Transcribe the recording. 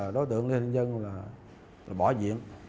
đối tượng nạn nhân là bỏ viện